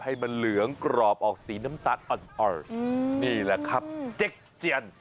ให้มันเหลืองกรอบออกสีน้ำตาลอ่อนนี่แหละครับเจ๊กเจียน